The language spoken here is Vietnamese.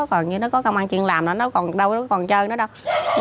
còn như nó có công an chuyện làm nó đâu có còn chơi nữa đâu